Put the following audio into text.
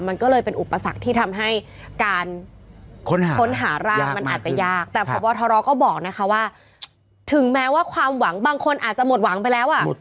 มันก็เลยเป็นอุปสรรคที่ทำให้การค้นหาร่างมันอาจจะยากแต่พบทรก็บอกนะคะว่าถึงแม้ว่าความหวังบางคนอาจจะหมดหวังไปแล้วอ่ะ